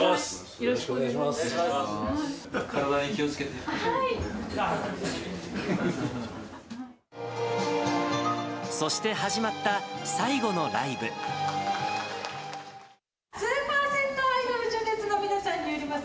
よろしくお願いします。